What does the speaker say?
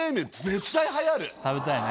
食べたいね。